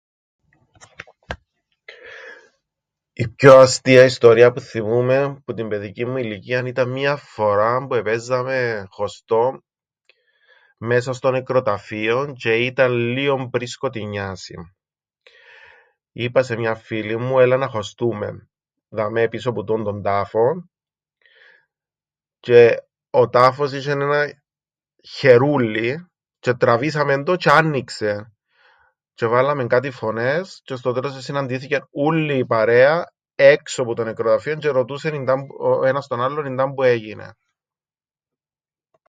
"Η πιο αστεία ιστορία που θθυμούμαι που την παιδικήν μου ηλικίαν ήταν μία φοράν που επαίζαμεν χωστόν μέσα στο νεκροταφείον τζ̆αι ήταν λλίον πριν σκοτεινιάσει. Είπα σε μιαν φίλην μου ""έλα να χωστούμεν, δαμαί, πίσω που τούτον τον τάφον"", τζ̆αι ο τάφος είσ̆εν έναν χερούλλιν τζ̆' ετραβήσαμεν το τζ̆αι άννοιξεν, τζ̆' εβάλαμεν κάτι φωνές, τζ̆αι στο τέλος εσυναντήθηκεν ούλλη η παρέα έξω που το νεκροταφείον τζ̆' ερωτούσεν ιντάμπ-, ο ένας τον άλλον ιντάμπου έγινεν."